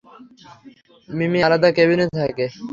মিমি আলাদা কেবিনে থাকে।